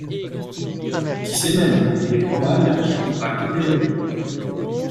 Qui sait même, il est probable qu’il voudra quitter la ville!